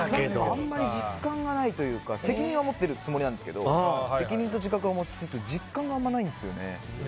あまり実感がないというか責任は持ってるつもりなんですけど責任と自覚は持ちつつ実感があんまりないんですよね。